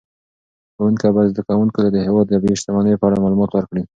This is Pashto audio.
ښوونکي باید زده کوونکو ته د هېواد د طبیعي شتمنیو په اړه معلومات ورکړي.